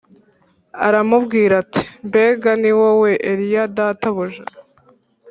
aramubwira ati “Mbega ni wowe, Eliya databuja?”